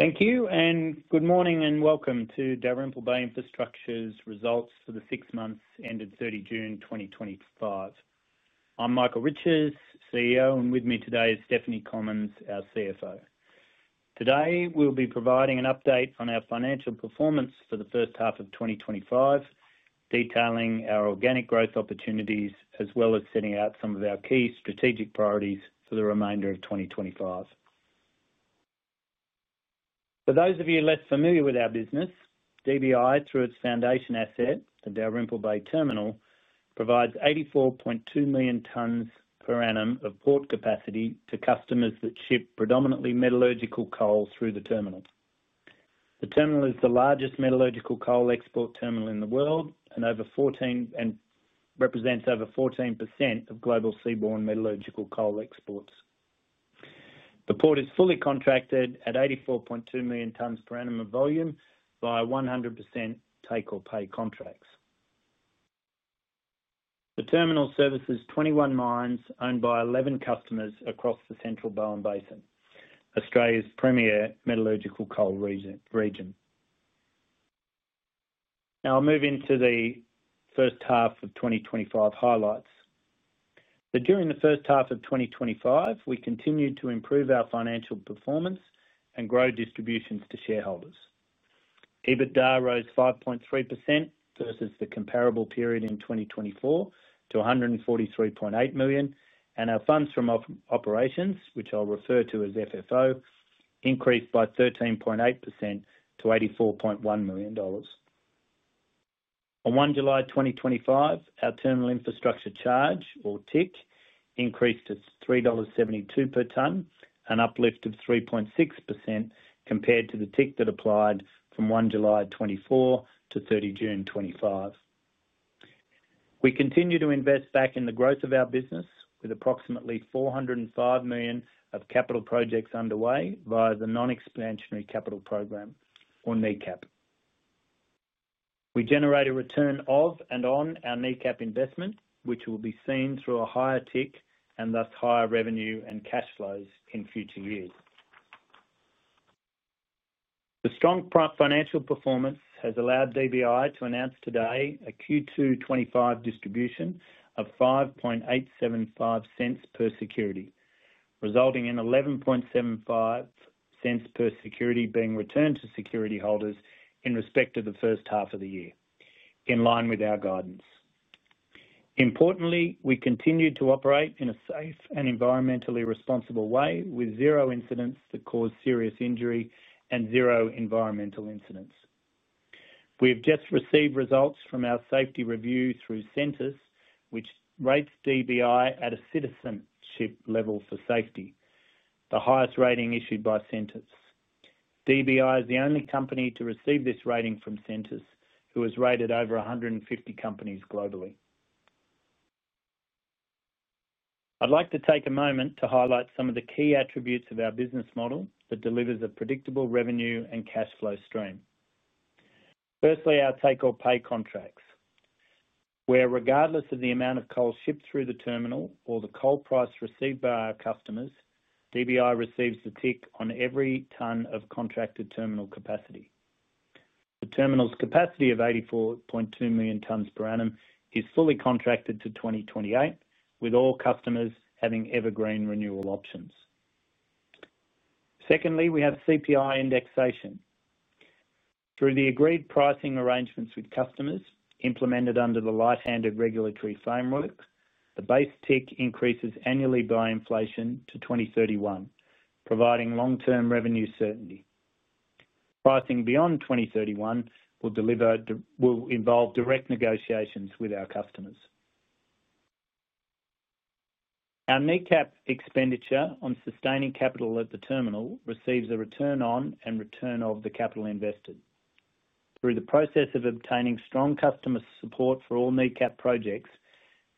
Thank you, and good morning and welcome to Dalrymple Bay Infrastructure's results for the six months ended 30 June 2025. I'm Michael Riches, CEO, and with me today is Stephanie Commons, our CFO. Today, we'll be providing an update on our financial performance for the first half of 2025, detailing our organic growth opportunities, as well as setting out some of our key strategic priorities for the remainder of 2025. For those of you less familiar with our business, DBI, through its foundation asset, the Dalrymple Bay Terminal, provides 84.2 million tonnes per annum of port capacity to customers that ship predominantly metallurgical coal through the terminal. The terminal is the largest metallurgical coal export terminal in the world and represents over 14% of global seaborne metallurgical coal exports. The port is fully contracted at 84.2 million tonnes per annum of volume via 100% take-or-pay contracts. The terminal services 21 mines owned by 11 customers across the central Bowen Basin, Australia's premier metallurgical coal region. Now I'll move into the first half of 2025 highlights. During the first half of 2025, we continued to improve our financial performance and grow distributions to shareholders. EBITDA rose 5.3% versus the comparable period in 2024 to $143.8 million, and our funds from operations, which I'll refer to as FFO, increased by 13.8% to $84.1 million. On 1 July 2025, our Terminal Infrastructure Charge, or TIC, increased to $3.72 per tonne and uplifted 3.6% compared to the TIC that applied from 1 July 2024 to 30 June 2025. We continue to invest back in the growth of our business with approximately $405 million of capital projects underway via the Non-Expansionary Capital Programme, or NECAP. We generate a return of and on our NECAP investment, which will be seen through a higher TIC and thus higher revenue and cash flows in future years. The strong financial performance has allowed DBI to announce today a Q2 2025 distribution of $0.05875 per security, resulting in $0.1175 per security being returned to security holders in respect to the first half of the year, in line with our guidance. Importantly, we continue to operate in a safe and environmentally responsible way with zero incidents that cause serious injury and zero environmental incidents. We have just received results from our safety review through Centres, which rates DBI at a citizenship level for safety, the highest rating issued by Centres. DBI is the only company to receive this rating from Centres, who has rated over 150 companies globally. I'd like to take a moment to highlight some of the key attributes of our business model that delivers a predictable revenue and cash flow stream. Firstly, our take-or-pay contracts, where regardless of the amount of coal shipped through the terminal or the coal price received by our customers, DBI receives the TIC on every tonne of contracted terminal capacity. The terminal's capacity of 84.2 million tonnes per annum is fully contracted to 2028, with all customers having evergreen renewal options. Secondly, we have CPI indexation. Through the agreed pricing arrangements with customers implemented under the Light-Handed Regulatory Framework, the base TIC increases annually by inflation to 2031, providing long-term revenue certainty. Pricing beyond 2031 will involve direct negotiations with our customers. Our NECAP expenditure on sustaining capital at the terminal receives a return on and return of the capital invested. Through the process of obtaining strong customer support for all NECAP projects,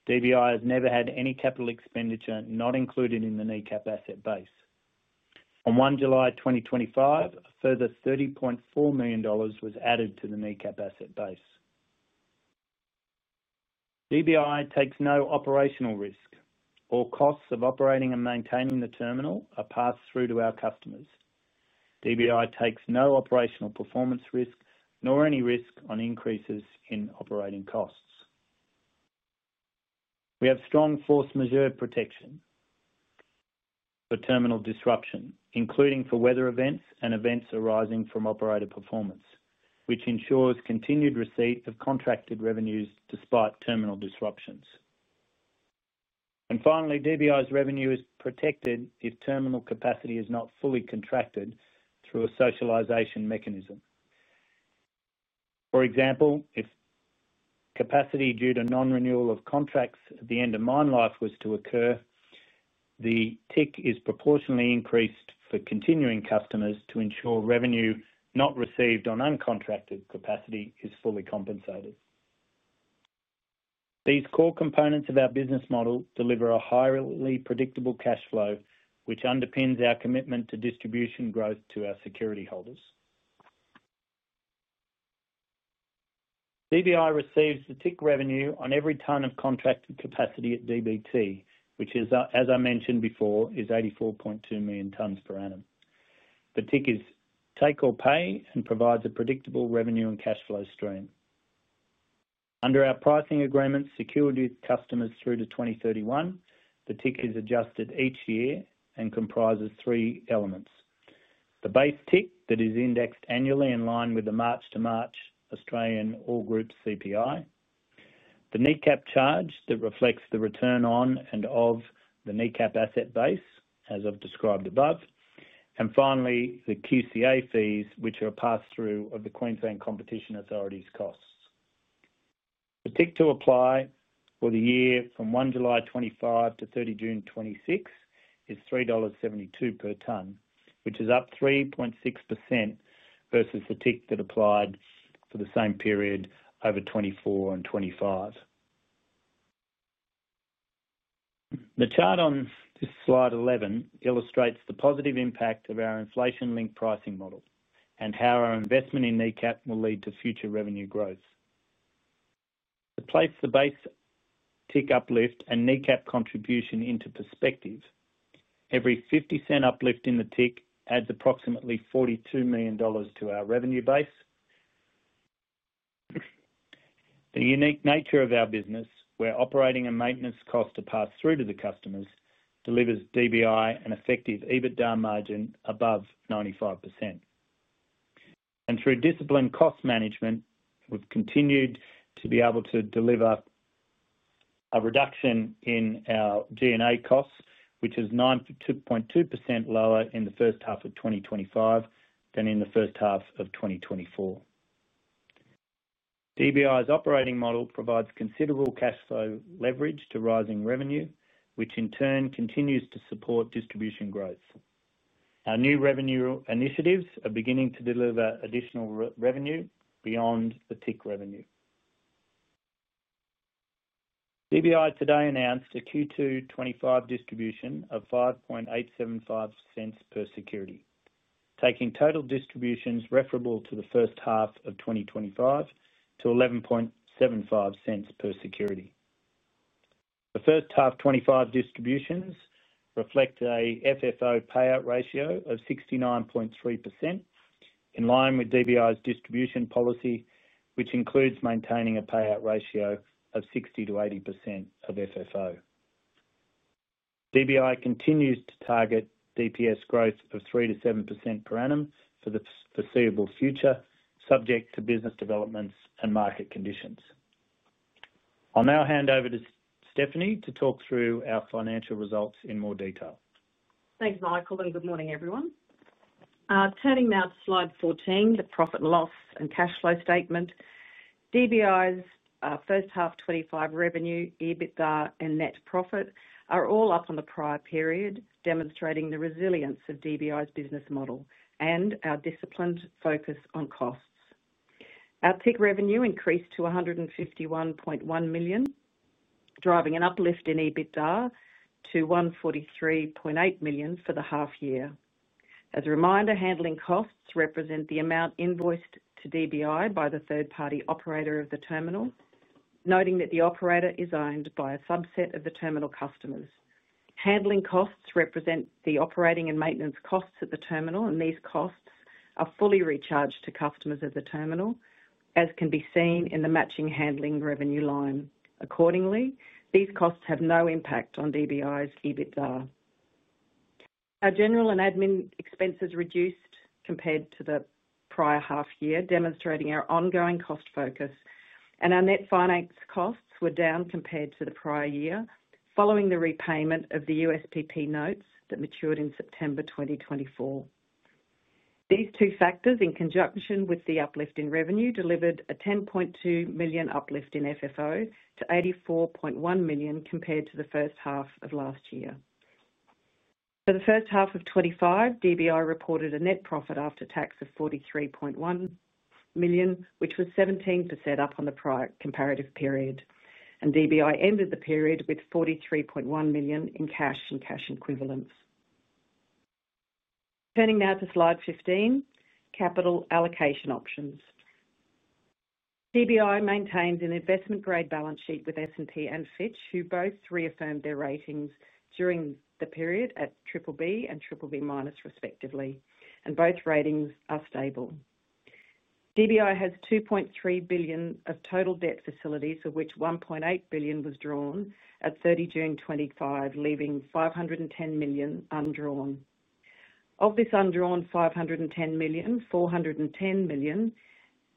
DBI has never had any capital expenditure not included in the NECAP asset base. On 1 July 2025, a further $30.4 million was added to the NECAP asset base. DBI takes no operational risk. All costs of operating and maintaining the terminal are passed through to our customers. DBI takes no operational performance risk, nor any risk on increases in operating costs. We have strong force majeure protection for terminal disruption, including for weather events and events arising from Operator performance, which ensures continued receipt of contracted revenues despite terminal disruptions. Finally, DBI's revenue is protected if terminal capacity is not fully contracted through a socialisation mechanism. For example, if capacity due to non-renewal of contracts at the end of mine life was to occur, the TIC is proportionally increased for continuing customers to ensure revenue not received on uncontracted capacity is fully compensated. These core components of our business model deliver a highly predictable cash flow, which underpins our commitment to distribution growth to our security holders. DBI receives the TIC revenue on every tonne of contracted capacity at DBT, which is, as I mentioned before, 84.2 million tonnes per annum. The TIC is take-or-pay and provides a predictable revenue and cash flow stream. Under our pricing agreements secured with customers through to 2031, the TIC is adjusted each year and comprises three elements: the base TIC that is indexed annually in line with the March to March Australian All groups CPI, the NECAP charge that reflects the return on and of the NECAP asset base, as I've described above, and finally, the QCA fees, which are a pass-through of the Queensland Competition Authority's costs. The TIC to apply for the year from 1 July 2025 to 30 June 2026 is $3.72 per tonne, which is up 3.6% versus the TIC that applied for the same period over 2024 and 2025. The chart on this slide 11 illustrates the positive impact of our inflation-linked pricing model and how our investment in NECAP will lead to future revenue growth. To place the base TIC uplift and NECAP contribution into perspective, every $0.50 uplift in the TIC adds approximately $42 million to our revenue base. The unique nature of our business, where operating and maintenance costs are passed through to the customers, delivers DBI an effective EBITDA margin above 95%. Through disciplined cost management, we've continued to be able to deliver a reduction in our G&A costs, which is 9.2% lower in the first half of 2025 than in the first half of 2024. DBI's operating model provides considerable cash flow leverage to rising revenue, which in turn continues to support distribution growth. Our new revenue initiatives are beginning to deliver additional revenue beyond the TIC revenue. DBI today announced a Q2 2025 distribution of $0.05875 per security, taking total distributions referable to the first half of 2025 to $0.1175 per security. The first half 2025 distributions reflect a FFO payout ratio of 69.3%, in line with DBI's distribution policy, which includes maintaining a payout ratio of 60%-80% of FFO. DBI continues to target DPS growth of 3%-7% per annum for the foreseeable future, subject to business developments and market conditions. I'll now hand over to Stephanie to talk through our financial results in more detail. Thanks, Michael, and good morning, everyone. Turning now to slide 14, the profit loss and cash flow statement, DBI's first half 2025 revenue, EBITDA, and net profit are all up on the prior period, demonstrating the resilience of DBI's business model and our disciplined focus on costs. Our TIC revenue increased to $151.1 million, driving an uplift in EBITDA to $143.8 million for the half year. As a reminder, handling costs represent the amount invoiced to DBI by the third-party Operator of the terminal, noting that the Operator is owned by a subset of the terminal customers. Handling costs represent the operating and maintenance costs at the terminal, and these costs are fully recharged to customers at the terminal, as can be seen in the matching handling revenue line. Accordingly, these costs have no impact on DBI's EBITDA. Our general and admin expenses reduced compared to the prior half year, demonstrating our ongoing cost focus, and our net finance costs were down compared to the prior year following the repayment of the USPP notes that matured in September 2024. These two factors, in conjunction with the uplift in revenue, delivered a $10.2 million uplift in FFO to $84.1 million compared to the first half of last year. For the first half of 2025, DBI reported a net profit after tax of $43.1 million, which was 17% up on the prior comparative period, and DBI ended the period with $43.1 million in cash and cash equivalents. Turning now to slide 15, capital allocation options. DBI maintains an investment-grade balance sheet with S&P and Fitch, who both reaffirmed their ratings during the period at BBB and BBB-, respectively, and both ratings are stable. DBI has $2.3 billion of total debt facilities, of which $1.8 billion was drawn at 30 June 2025, leaving $510 million undrawn. Of this undrawn $510 million, $410 million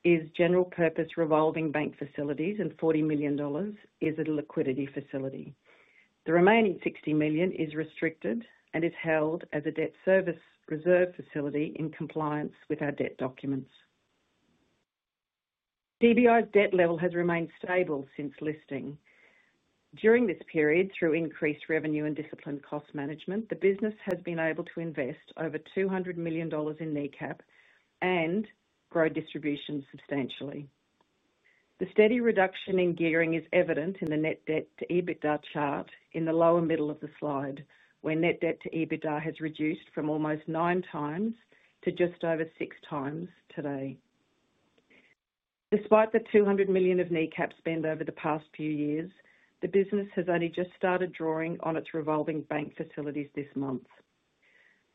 is general purpose revolving bank facilities, and $40 million is a liquidity facility. The remaining $60 million is restricted and is held as a debt service reserve facility in compliance with our debt documents. DBI's debt level has remained stable since listing. During this period, through increased revenue and disciplined cost management, the business has been able to invest over $200 million in NECAP and grow distributions substantially. The steady reduction in gearing is evident in the net debt to EBITDA chart in the lower middle of the slide, where net debt to EBITDA has reduced from almost 9x to just over 6x today. Despite the $200 million of NECAP spend over the past few years, the business has only just started drawing on its revolving bank facilities this month.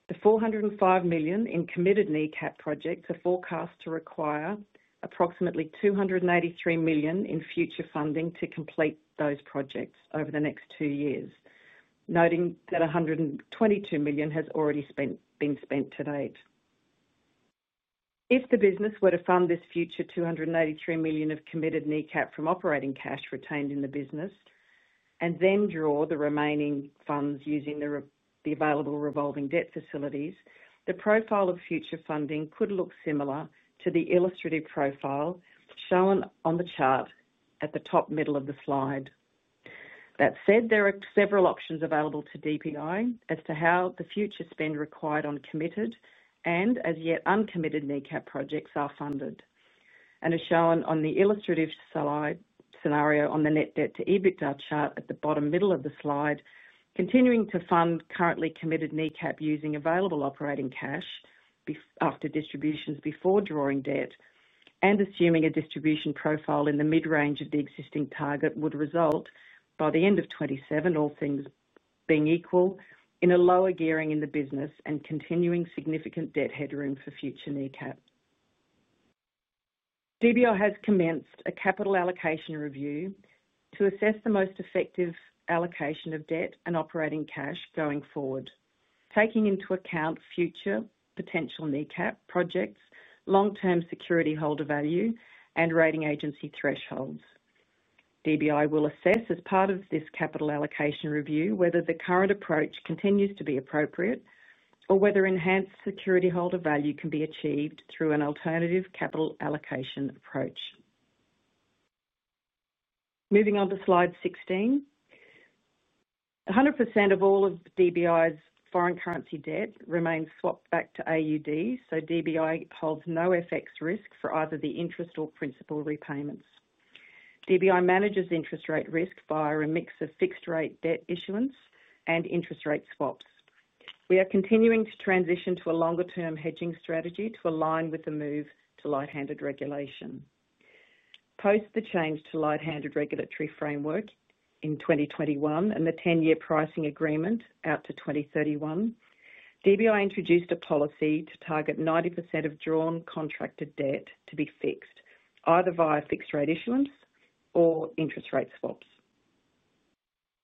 The $405 million in committed NECAP projects are forecast to require approximately $283 million in future funding to complete those projects over the next two years, noting that $122 million has already been spent to date. If the business were to fund this future $283 million of committed NECAP from operating cash retained in the business and then draw the remaining funds using the available revolving debt facilities, the profile of future funding could look similar to the illustrated profile shown on the chart at the top middle of the slide. There are several options available to DBI as to how the future spend required on committed and as yet uncommitted NECAP projects are funded. As shown on the illustrative slide scenario on the net debt to EBITDA chart at the bottom middle of the slide, continuing to fund currently committed NECAP using available operating cash after distributions before drawing debt and assuming a distribution profile in the mid-range of the existing target would result, by the end of 2027, all things being equal, in a lower gearing in the business and continuing significant debt headroom for future NECAP. DBI has commenced a capital allocation review to assess the most effective allocation of debt and operating cash going forward, taking into account future potential NECAP projects, long-term security holder value, and rating agency thresholds. DBI will assess as part of this capital allocation review whether the current approach continues to be appropriate or whether enhanced security holder value can be achieved through an alternative capital allocation approach. Moving on to slide 16, 100% of all of DBI's foreign currency debt remains swapped back to AUD, so DBI holds no FX risk for either the interest or principal repayments. DBI manages interest rate risk via a mix of fixed-rate debt issuance and interest rate swaps. We are continuing to transition to a longer-term hedging strategy to align with the move to Light-Handed Regulation. Post the change to Light-Handed Regulatory Framework in 2021 and the 10-year pricing agreement out to 2031, DBI introduced a policy to target 90% of drawn contracted debt to be fixed either via fixed-rate issuance or interest rate swaps.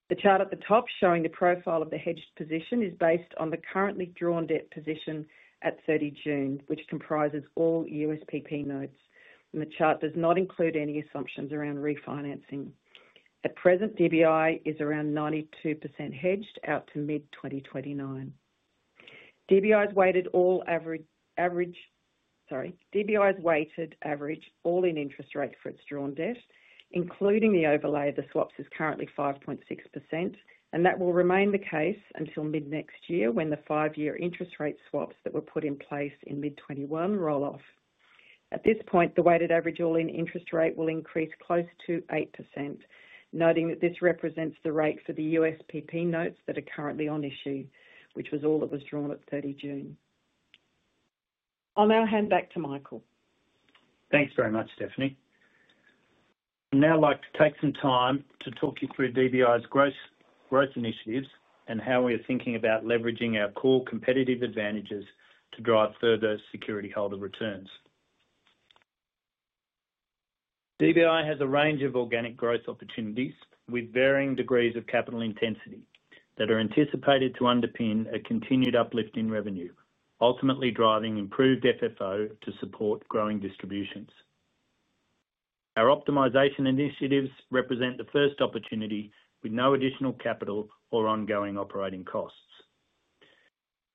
The chart at the top showing the profile of the hedged position is based on the currently drawn debt position at 30 June, which comprises all USPP notes, and the chart does not include any assumptions around refinancing. At present, DBI is around 92% hedged out to mid-2029. DBI's weighted average all-in interest rate for its drawn debt, including the overlay of the swaps, is currently 5.6%, and that will remain the case until mid-next year when the five-year interest rate swaps that were put in place in mid-2021 roll off. At this point, the weighted average all-in interest rate will increase close to 8%, noting that this represents the rate for the USPP notes that are currently on issue, which was all that was drawn at 30 June. I'll now hand back to Michael. Thanks very much, Stephanie. I'd now like to take some time to talk you through DBI's growth initiatives and how we are thinking about leveraging our core competitive advantages to drive further security holder returns. DBI has a range of organic growth opportunities with varying degrees of capital intensity that are anticipated to underpin a continued uplift in revenue, ultimately driving improved FFO to support growing distributions. Our optimization initiatives represent the first opportunity with no additional capital or ongoing operating costs.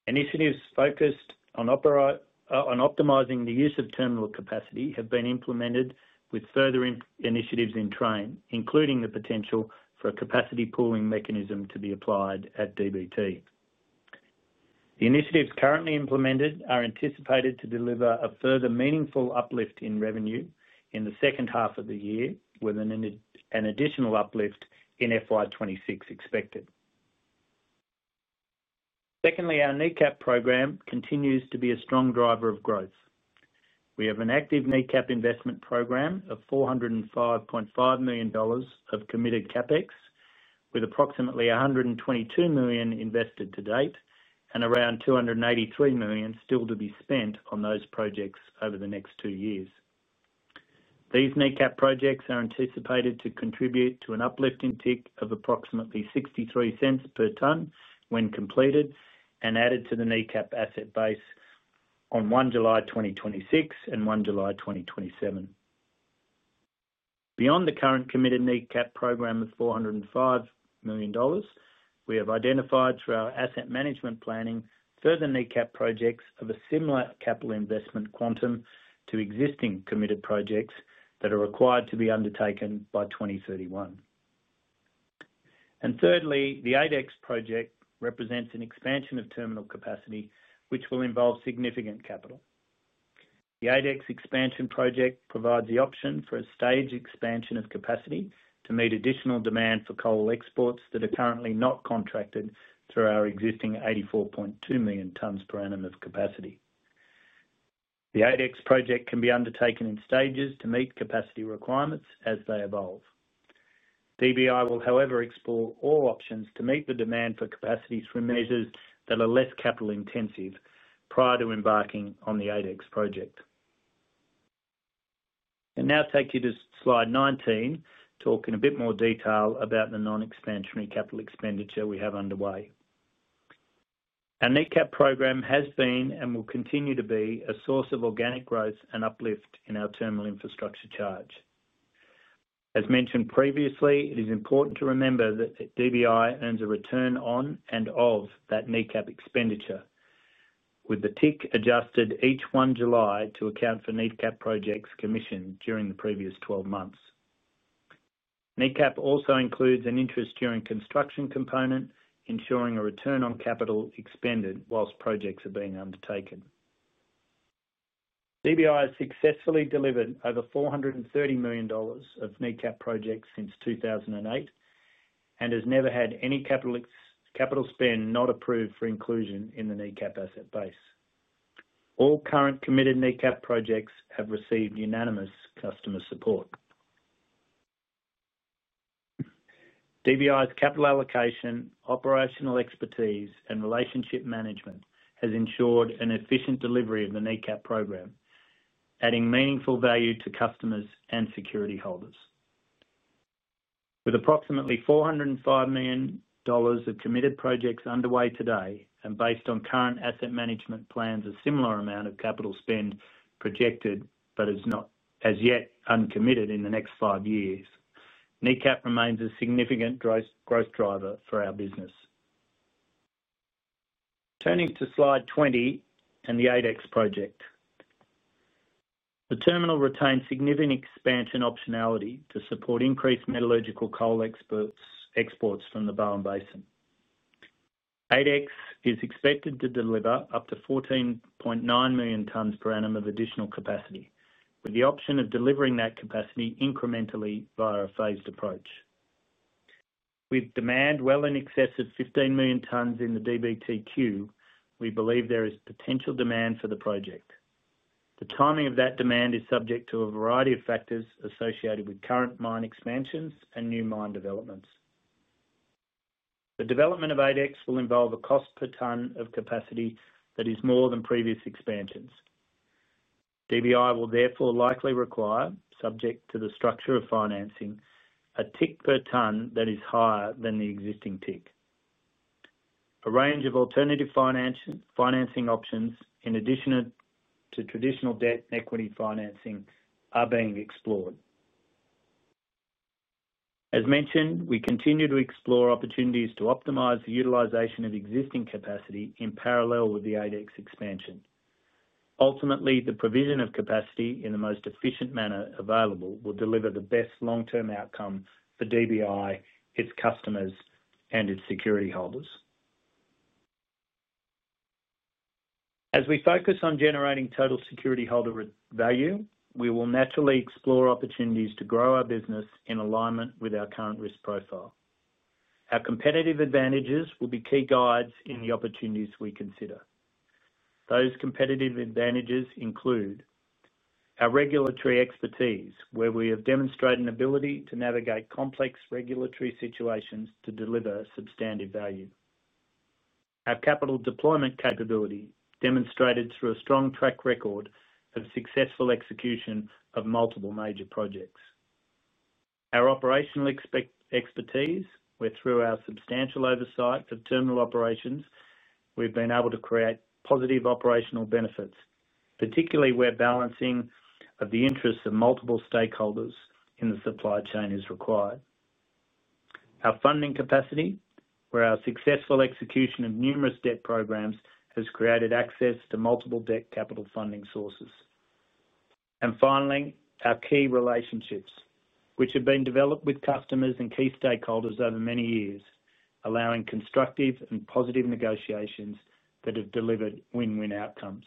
Initiatives focused on optimizing the use of terminal capacity have been implemented with further initiatives in train, including the potential for a capacity pooling mechanism to be applied at DBT. The initiatives currently implemented are anticipated to deliver a further meaningful uplift in revenue in the second half of the year, with an additional uplift in FY26 expected. Secondly, our NECAP program continues to be a strong driver of growth. We have an active NECAP investment program of $405.5 million of committed CapEx, with approximately $122 million invested to date and around $283 million still to be spent on those projects over the next two years. These NECAP projects are anticipated to contribute to an uplift in TIC of approximately $0.63 per tonne when completed and added to the NECAP asset base on 1 July 2026 and 1 July 2027. Beyond the current committed NECAP program of $405 million, we have identified through our asset management planning further NECAP projects of a similar capital investment quantum to existing committed projects that are required to be undertaken by 2031. Thirdly, the ADEX project represents an expansion of terminal capacity, which will involve significant capital. The ADEX expansion project provides the option for a staged expansion of capacity to meet additional demand for coal exports that are currently not contracted through our existing 84.2 million tonnes per annum of capacity. The ADEX project can be undertaken in stages to meet capacity requirements as they evolve. DBI will, however, explore all options to meet the demand for capacity through measures that are less capital intensive prior to embarking on the ADEX project. I now take you to slide 19, talk in a bit more detail about the non-expansionary capital expenditure we have underway. Our NECAP program has been and will continue to be a source of organic growth and uplift in our Terminal Infrastructure Charge. As mentioned previously, it is important to remember that DBI earns a return on and of that NECAP expenditure, with the TIC adjusted each 1 July to account for NECAP projects commissioned during the previous 12 months. NECAP also includes an interest during construction component, ensuring a return on capital expended whilst projects are being undertaken. DBI has successfully delivered over $430 million of NECAP projects since 2008 and has never had any capital spend not approved for inclusion in the NECAP asset base. All current committed NECAP projects have received unanimous customer support. DBI's capital allocation, operational expertise, and relationship management has ensured an efficient delivery of the NECAP program, adding meaningful value to customers and security holders. With approximately $405 million of committed projects underway today and based on current asset management plans, a similar amount of capital spend projected but is not as yet uncommitted in the next five years, NECAP remains a significant growth driver for our business. Turning to slide 20 and the ADEX project, the terminal retains significant expansion optionality to support increased metallurgical coal exports from the Bowen Basin. ADEX is expected to deliver up to 14.9 million tonnes per annum of additional capacity, with the option of delivering that capacity incrementally via a phased approach. With demand well in excess of 15 million tonnes in the DBTQ, we believe there is potential demand for the project. The timing of that demand is subject to a variety of factors associated with current mine expansions and new mine developments. The development of ADEX will involve a cost per tonne of capacity that is more than previous expansions. DBI will therefore likely require, subject to the structure of financing, a TIC per tonne that is higher than the existing TIC. A range of alternative financing options, in addition to traditional debt and equity financing, are being explored. As mentioned, we continue to explore opportunities to optimize the utilization of existing capacity in parallel with the ADEX expansion. Ultimately, the provision of capacity in the most efficient manner available will deliver the best long-term outcome for DBI, its customers, and its security holders. As we focus on generating total security holder value, we will naturally explore opportunities to grow our business in alignment with our current risk profile. Our competitive advantages will be key guides in the opportunities we consider. Those competitive advantages include our regulatory expertise, where we have demonstrated an ability to navigate complex regulatory situations to deliver substantive value. Our capital deployment capability, demonstrated through a strong track record of successful execution of multiple major projects. Our operational expertise, where through our substantial oversight for the terminal operations, we've been able to create positive operational benefits, particularly where balancing of the interests of multiple stakeholders in the supply chain is required. Our funding capacity, where our successful execution of numerous debt programs has created access to multiple debt capital funding sources. Finally, our key relationships, which have been developed with customers and key stakeholders over many years, allow constructive and positive negotiations that have delivered win-win outcomes.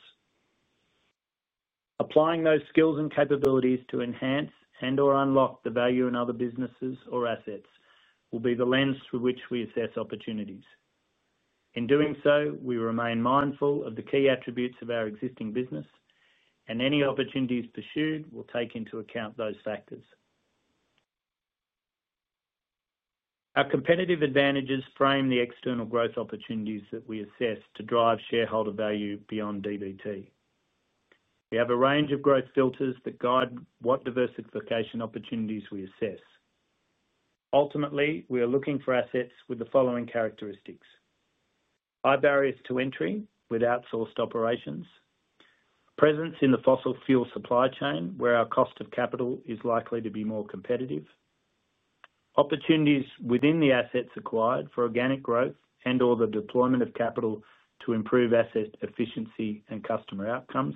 Applying those skills and capabilities to enhance and/or unlock the value in other businesses or assets will be the lens through which we assess opportunities. In doing so, we remain mindful of the key attributes of our existing business, and any opportunities pursued will take into account those factors. Our competitive advantages frame the external growth opportunities that we assess to drive shareholder value beyond DBT. We have a range of growth filters that guide what diversification opportunities we assess. Ultimately, we are looking for assets with the following characteristics: high barriers to entry with outsourced operations, presence in the fossil fuel supply chain where our cost of capital is likely to be more competitive, opportunities within the assets acquired for organic growth and/or the deployment of capital to improve asset efficiency and customer outcomes,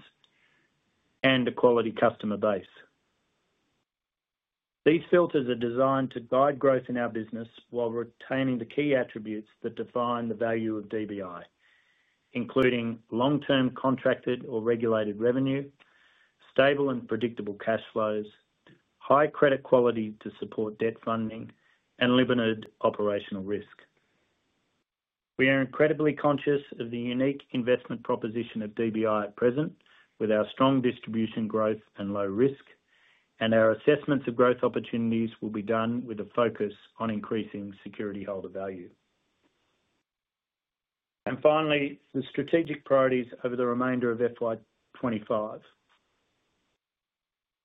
and a quality customer base. These filters are designed to guide growth in our business while retaining the key attributes that define the value of DBI, including long-term contracted or regulated revenue, stable and predictable cash flows, high credit quality to support debt funding, and limited operational risk. We are incredibly conscious of the unique investment proposition of DBI at present, with our strong distribution growth and low risk, and our assessments of growth opportunities will be done with a focus on increasing security holder value. Finally, the strategic priorities over the remainder of FY2025.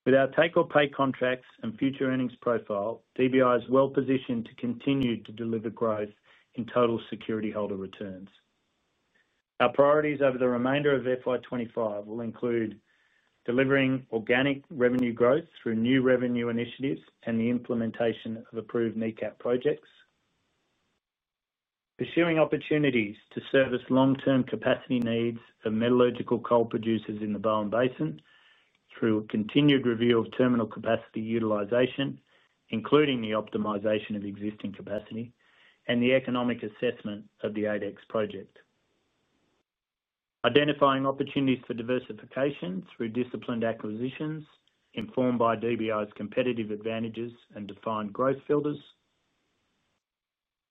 With our take-or-pay contracts and future earnings profile, DBI is well positioned to continue to deliver growth in total security holder returns. Our priorities over the remainder of FY2025 will include delivering organic revenue growth through new revenue initiatives and the implementation of approved NECAP projects, pursuing opportunities to service long-term capacity needs of metallurgical coal producers in the Bowen Basin through a continued review of terminal capacity utilisation, including the optimisation of existing capacity, and the economic assessment of the ADEX project, identifying opportunities for diversification through disciplined acquisitions informed by DBI's competitive advantages and defined growth filters,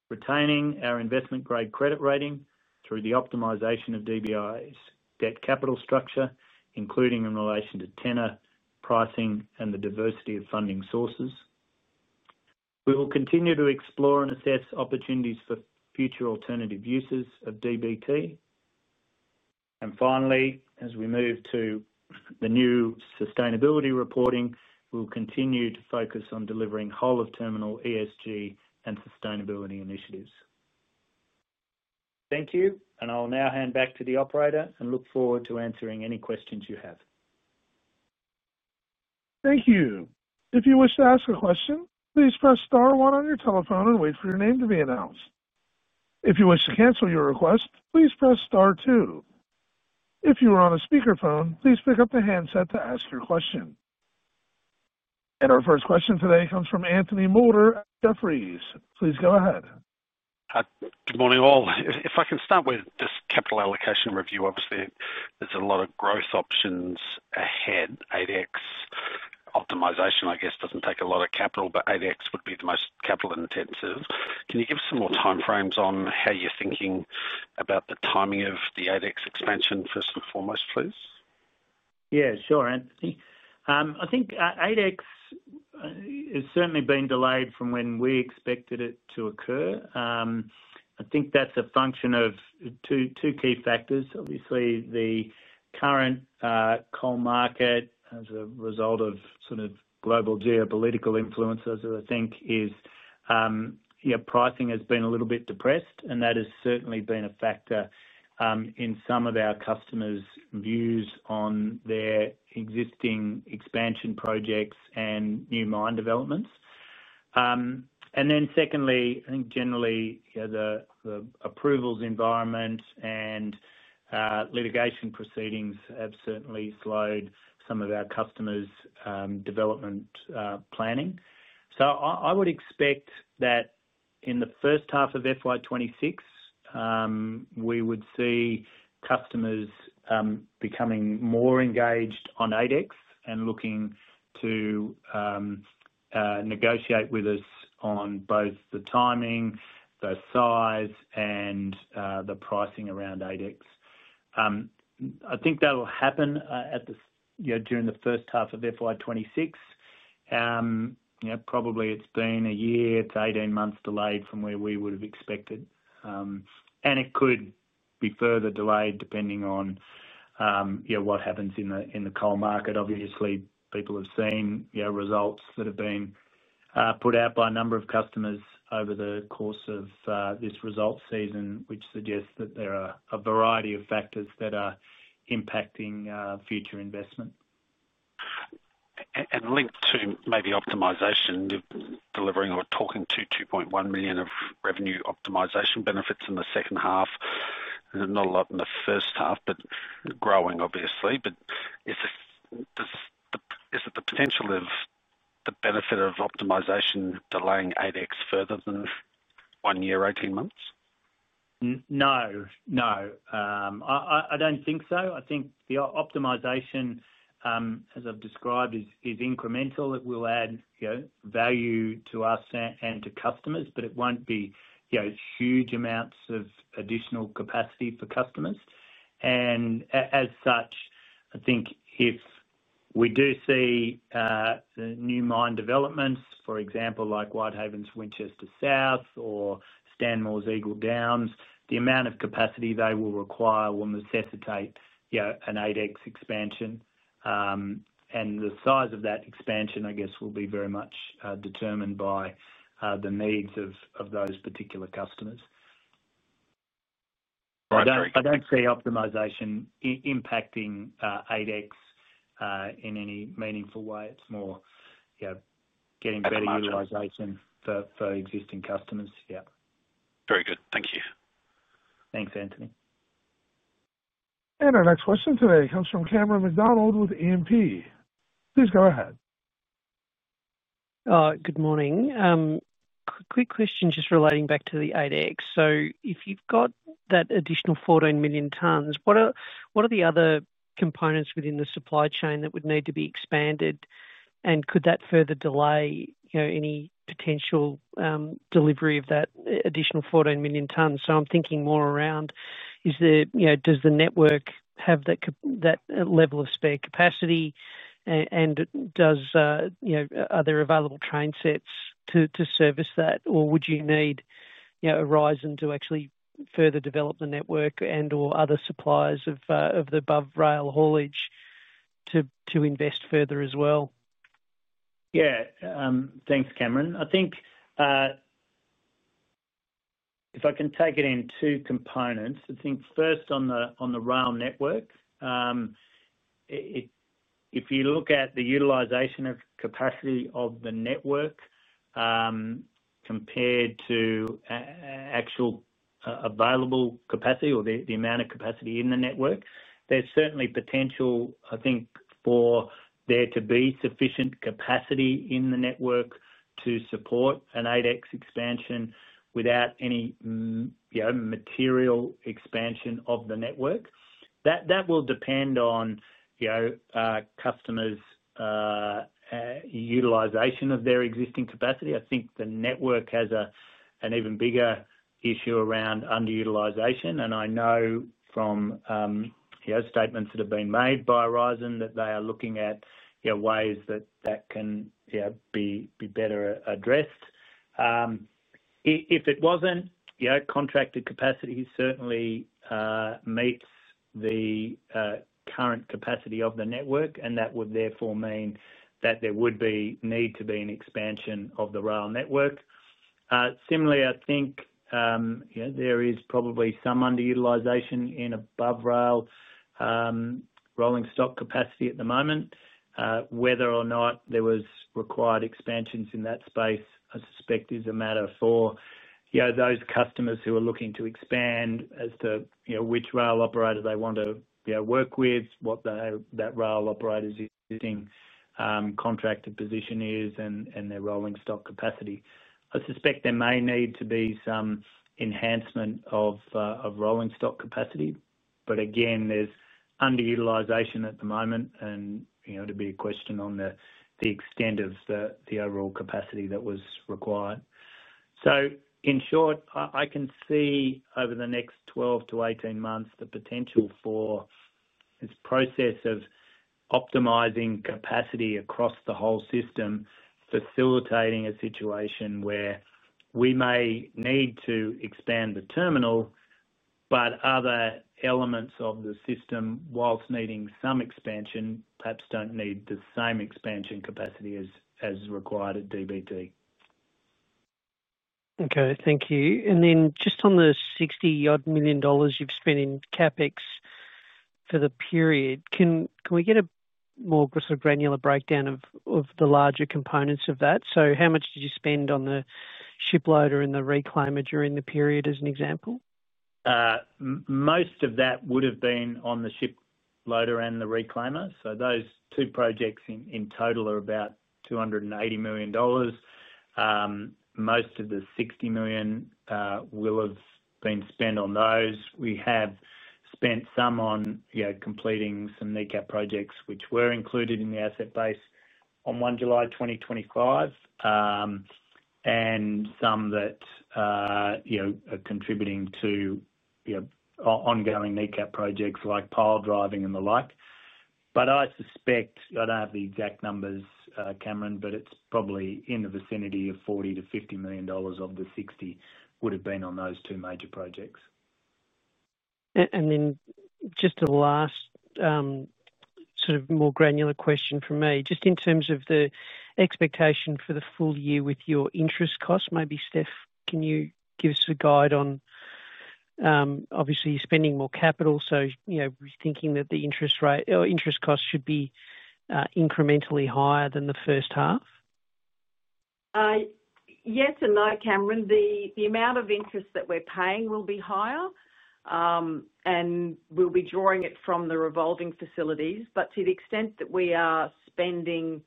retaining our investment-grade credit rating through the optimisation of DBI's debt capital structure, including in relation to tenor, pricing, and the diversity of funding sources. We will continue to explore and assess opportunities for future alternative uses of DBT. As we move to the new sustainability reporting, we'll continue to focus on delivering whole of terminal ESG and sustainability initiatives. Thank you, and I'll now hand back to the operator and look forward to answering any questions you have. Thank you. If you wish to ask a question, please press star one on your telephone and wait for your name to be announced. If you wish to cancel your request, please press star two. If you are on a speakerphone, please pick up the handset to ask your question. Our first question today comes from Anthony Moulder at Jefferies. Please go ahead. Good morning all. If I can start with this capital allocation review, obviously there's a lot of growth options ahead. ADEX optimization, I guess, doesn't take a lot of capital, but ADEX would be the most capital intensive. Can you give us some more timeframes on how you're thinking about the timing of the ADEX expansion first and foremost, please? Yeah, sure, Anthony. I think ADEX has certainly been delayed from when we expected it to occur. I think that's a function of two key factors. Obviously, the current coal market, as a result of sort of global geopolitical influences, is, yeah, pricing has been a little bit depressed, and that has certainly been a factor in some of our customers' views on their existing expansion projects and new mine developments. Secondly, I think generally, you know, the approvals environment and litigation proceedings have certainly slowed some of our customers' development planning. I would expect that in the first half of FY2026, we would see customers becoming more engaged on ADEX and looking to negotiate with us on both the timing, the size, and the pricing around ADEX. I think that'll happen during the first half of FY2026. Probably it's been a year, 18 months delayed from where we would have expected, and it could be further delayed depending on what happens in the coal market. Obviously, people have seen results that have been put out by a number of customers over the course of this result season, which suggests that there are a variety of factors that are impacting future investment. Linked to maybe optimisation, you're delivering or talking to $2.1 million of revenue optimisation benefits in the second half. There's not a lot in the first half, but growing, obviously. Is it the potential of the benefit of optimisation delaying the ADEX project further than one year, 18 months? No, I don't think so. I think the optimisation, as I've described, is incremental. It will add value to us and to customers, but it won't be huge amounts of additional capacity for customers. If we do see new mine developments, for example, like Whitehaven's Winchester South or Stanmore's Eagle Downs, the amount of capacity they will require will necessitate an ADEX expansion. The size of that expansion, I guess, will be very much determined by the needs of those particular customers. I don't see optimisation impacting ADEX in any meaningful way. It's more getting better utilisation for existing customers. Yeah. Very good. Thank you. Thanks, Anthony. Our next question today comes from Cameron McDonald with E&P. Please go ahead. Good morning. Quick question just relating back to the ADEX project. If you've got that additional 14 million tonnes, what are the other components within the supply chain that would need to be expanded? Could that further delay any potential delivery of that additional 14 million tonnes? I'm thinking more around, does the network have that level of spare capacity? Are there available train sets to service that? Would you need a horizon to actually further develop the network and/or other suppliers of the above rail haulage to invest further as well? Yeah, thanks, Cameron. I think if I can take it in two components, I think first on the rail network, if you look at the utilization of capacity of the network compared to actual available capacity or the amount of capacity in the network, there's certainly potential, I think, for there to be sufficient capacity in the network to support an ADEX expansion without any material expansion of the network. That will depend on customers' utilization of their existing capacity. I think the network has an even bigger issue around underutilization. I know from statements that have been made by Horizon that they are looking at ways that that can be better addressed. If it wasn't, contracted capacity certainly meets the current capacity of the network, and that would therefore mean that there would be need to be an expansion of the rail network. Similarly, I think there is probably some underutilization in above rail rolling stock capacity at the moment. Whether or not there were required expansions in that space, I suspect is a matter for those customers who are looking to expand as to which rail operator they want to work with, what that rail operator's contracted position is, and their rolling stock capacity. I suspect there may need to be some enhancement of rolling stock capacity. Again, there's underutilization at the moment, and it'd be a question on the extent of the overall capacity that was required. In short, I can see over the next 12 months-18 months the potential for this process of optimizing capacity across the whole system, facilitating a situation where we may need to expand the terminal, but other elements of the system, whilst needing some expansion, perhaps don't need the same expansion capacity as required at DBT. Okay, thank you. On the $60 million you've spent in CapEx for the period, can we get a more sort of granular breakdown of the larger components of that? How much did you spend on the ship loader and the reclaimer during the period as an example? Most of that would have been on the ship loader and the reclaimer. Those two projects in total are about $280 million. Most of the $60 million will have been spent on those. We have spent some on completing some NECAP projects, which were included in the asset base on 1 July 2025, and some that are contributing to ongoing NECAP projects like pile driving and the like. I don't have the exact numbers, Cameron, but it's probably in the vicinity of $40 million-$50 million of the $60 million would have been on those two major projects. Just a last sort of more granular question from me, in terms of the expectation for the full year with your interest costs. Maybe Steph, can you give us a guide on, obviously you're spending more capital, so you're thinking that the interest rate or interest costs should be incrementally higher than the first half? Yes and no, Cameron. The amount of interest that we're paying will be higher, and we'll be drawing it from the revolving facilities. To the extent that we are spending,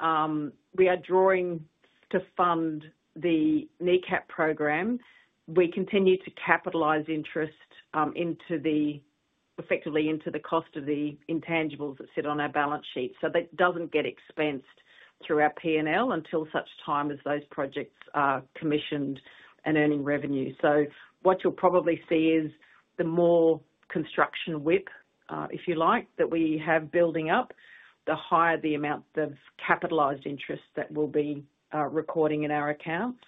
we are drawing to fund the NECAP programme, we continue to capitalize interest effectively into the cost of the intangibles that sit on our balance sheet. That doesn't get expensed through our P&L until such time as those projects are commissioned and earning revenue. What you'll probably see is the more construction WIP, if you like, that we have building up, the higher the amount of capitalized interest that we'll be recording in our accounts.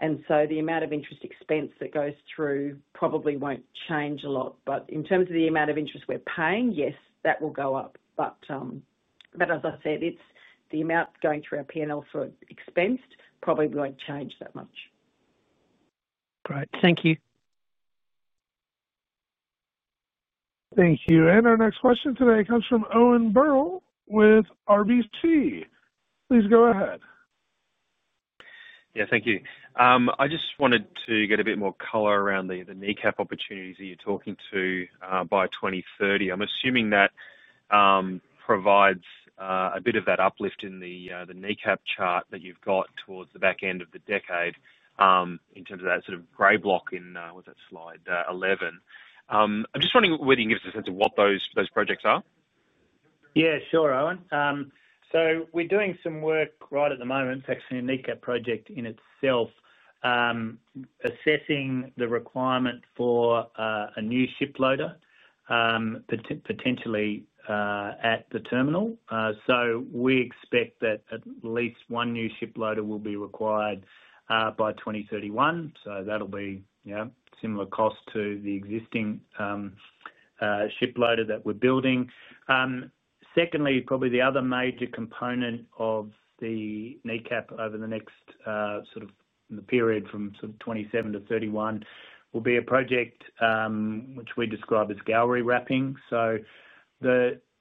The amount of interest expense that goes through probably won't change a lot. In terms of the amount of interest we're paying, yes, that will go up. As I said, the amount going through our P&L for expensed probably won't change that much. Great. Thank you. Thank you. Our next question today comes from Owen Birrell with RBC. Please go ahead. Thank you. I just wanted to get a bit more color around the NECAP opportunities that you're talking to by 2030. I'm assuming that provides a bit of that uplift in the NECAP chart that you've got towards the back end of the decade in terms of that sort of gray block in, was that slide 11? I'm just wondering whether you can give us a sense of what those projects are. Yeah, sure, Owen. We're doing some work right at the moment, in fact, it's a NECAP project in itself, assessing the requirement for a new ship loader potentially at the terminal. We expect that at least one new ship loader will be required by 2031. That'll be a similar cost to the existing ship loader that we're building. Secondly, probably the other major component of the NECAP over the next sort of period from 2027 to 2031 will be a project which we describe as gallery wrapping.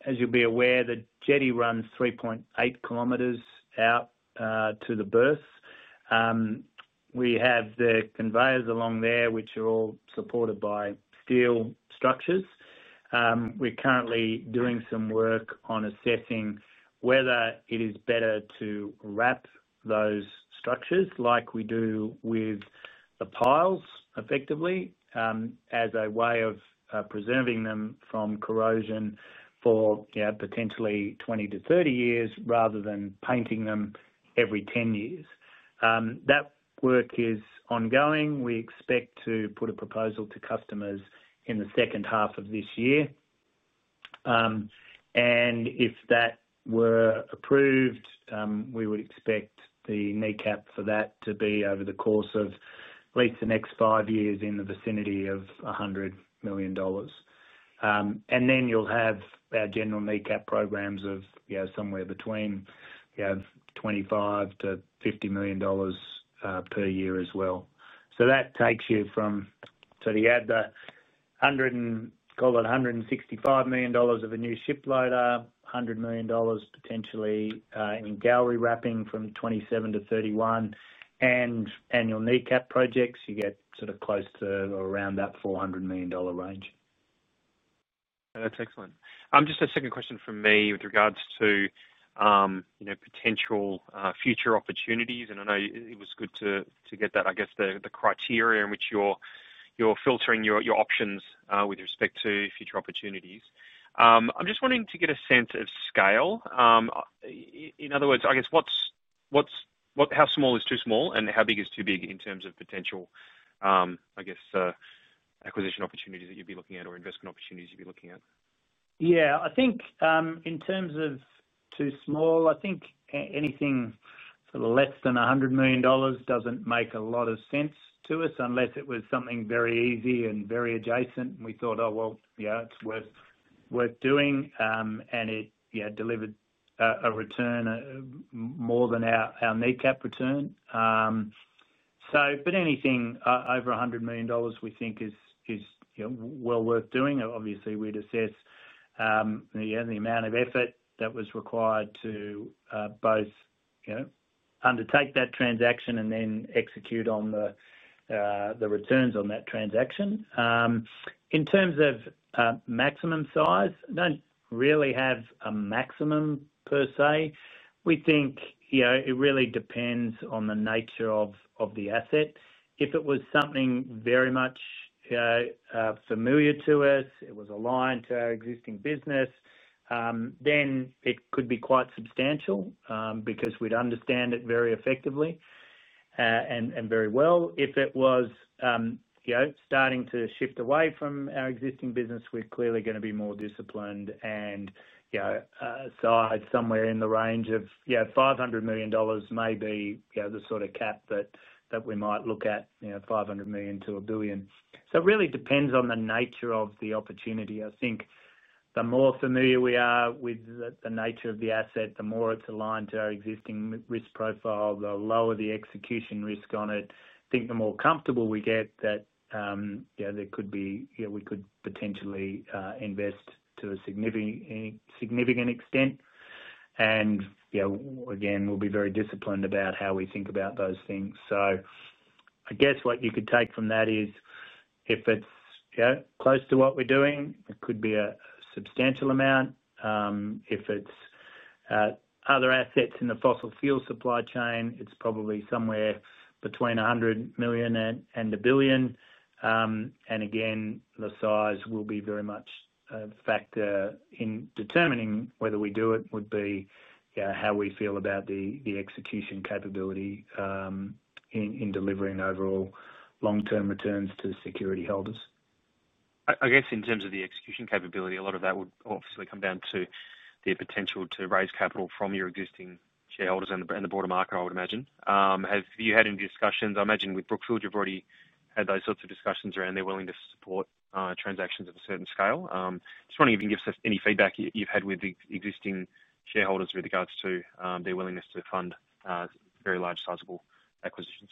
As you'll be aware, the jetty runs 3.8 kilometers out to the berths. We have the conveyors along there, which are all supported by steel structures. We're currently doing some work on assessing whether it is better to wrap those structures like we do with the piles effectively as a way of preserving them from corrosion for potentially 20 years-30 years rather than painting them every 10 years. That work is ongoing. We expect to put a proposal to customers in the second half of this year. If that were approved, we would expect the NECAP for that to be over the course of at least the next five years in the vicinity of $100 million. You'll have our general NECAP programs of somewhere between $25 million-$50 million per year as well. That takes you from, you add the, call it $165 million of a new ship loader, $100 million potentially in gallery wrapping from 2027 to 2031, and annual NECAP projects, you get sort of close to or around that $400 million range. That's excellent. Just a second question from me with regards to potential future opportunities. It was good to get the criteria in which you're filtering your options with respect to future opportunities. I'm just wanting to get a sense of scale. In other words, what's how small is too small and how big is too big in terms of potential acquisition opportunities that you'd be looking at or investment opportunities you'd be looking at? Yeah, I think in terms of too small, I think anything sort of less than $100 million doesn't make a lot of sense to us unless it was something very easy and very adjacent and we thought, oh, well, yeah, it's worth doing and it delivered a return more than our NECAP return. Anything over $100 million we think is well worth doing. Obviously, we'd assess the amount of effort that was required to both undertake that transaction and then execute on the returns on that transaction. In terms of maximum size, I don't really have a maximum per se. We think it really depends on the nature of the asset. If it was something very much familiar to us, it was aligned to our existing business, then it could be quite substantial because we'd understand it very effectively and very well. If it was starting to shift away from our existing business, we're clearly going to be more disciplined and size somewhere in the range of $500 million may be the sort of cap that we might look at, $500 million-$1 billion. It really depends on the nature of the opportunity. I think the more familiar we are with the nature of the asset, the more it's aligned to our existing risk profile, the lower the execution risk on it, I think the more comfortable we get that there could be, we could potentially invest to a significant extent. We'll be very disciplined about how we think about those things. I guess what you could take from that is if it's close to what we're doing, it could be a substantial amount. If it's other assets in the fossil fuel supply chain, it's probably somewhere between $100 million and $1 billion. The size will be very much a factor in determining whether we do it would be how we feel about the execution capability in delivering overall long-term returns to security holders. I guess in terms of the execution capability, a lot of that would obviously come down to the potential to raise capital from your existing shareholders and the broader market, I would imagine. Have you had any discussions? I imagine with Brookfield, you've already had those sorts of discussions around their willingness to support transactions of a certain scale. Just wondering if you can give us any feedback you've had with the existing shareholders with regards to their willingness to fund very large sizable acquisitions.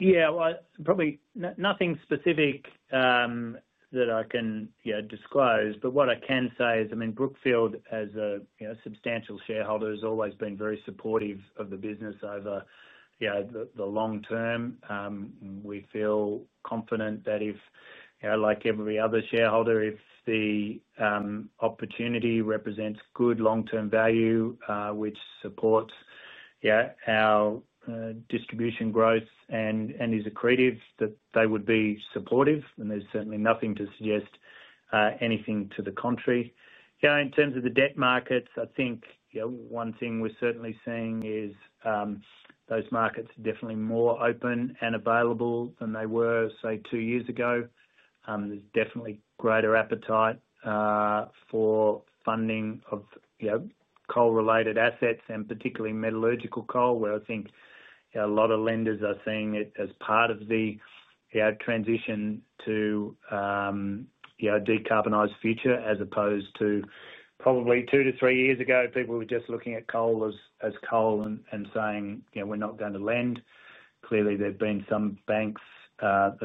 Yeah, probably nothing specific that I can disclose. What I can say is, I mean, Brookfield, as a substantial shareholder, has always been very supportive of the business over the long term. We feel confident that if, like every other shareholder, if the opportunity represents good long-term value, which supports our distribution growth and is accretive, that they would be supportive. There's certainly nothing to suggest anything to the contrary. In terms of the debt markets, I think one thing we're certainly seeing is those markets are definitely more open and available than they were, say, two years ago. There's definitely greater appetite for funding of coal-related assets and particularly metallurgical coal, where I think a lot of lenders are seeing it as part of the transition to a decarbonized future, as opposed to probably two to three years ago, people were just looking at coal as coal and saying, we're not going to lend. Clearly, there have been some banks that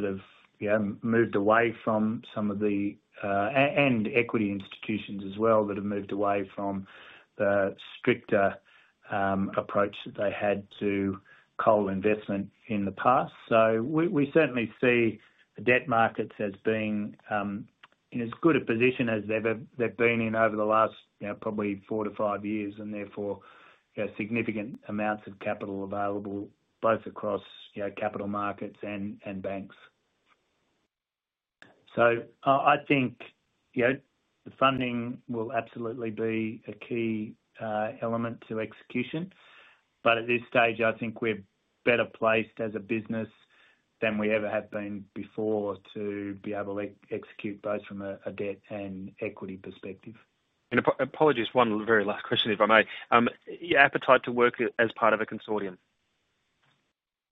have moved away from some of the, and equity institutions as well, that have moved away from the stricter approach that they had to coal investment in the past. We certainly see the debt markets as being in as good a position as they've been in over the last probably four to five years, and therefore significant amounts of capital available both across capital markets and banks. I think the funding will absolutely be a key element to execution. At this stage, I think we're better placed as a business than we ever have been before to be able to execute both from a debt and equity perspective. Apologies, one very last question, if I may. Your appetite to work as part of a consortium?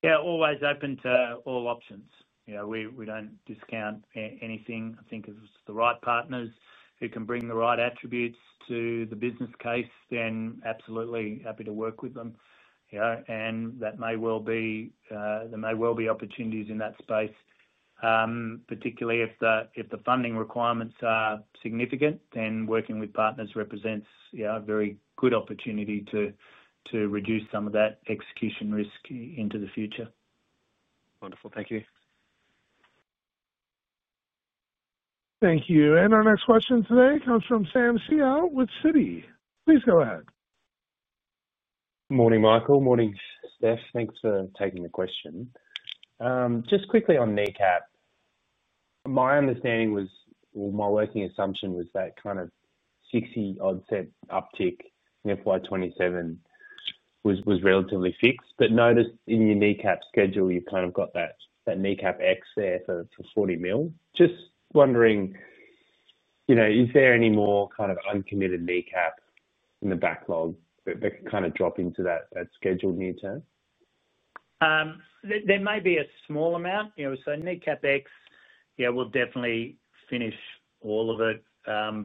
Yeah, always open to all options. We don't discount anything. I think if it's the right partners who can bring the right attributes to the business case, then absolutely happy to work with them. There may well be opportunities in that space, particularly if the funding requirements are significant. Working with partners represents a very good opportunity to reduce some of that execution risk into the future. Wonderful, thank you. Thank you. Our next question today comes from Sam Seow with Citi. Please go ahead. Morning, Michael. Morning, Steph. Thanks for taking the question. Just quickly on NECAP, my understanding was, or my working assumption was that kind of $0.60 odd uptick in FY2027 was relatively fixed, but noticed in your NECAP schedule you've kind of got that NECAP X there for $40 million. Just wondering, you know, is there any more kind of uncommitted NECAP in the backlog that could kind of drop into that scheduled new term? There may be a small amount. NECAP X will definitely finish all of it